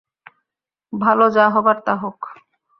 ভাল যা হবার তা হোক।